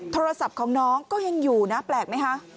โทรศัพท์ของน้องก็ยังอยู่นะแปลกไหมคะ